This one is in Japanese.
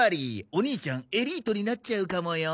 お兄ちゃんエリートになっちゃうかもよ？